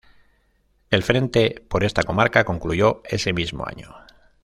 El frente por esta comarca concluyó ese mismo año.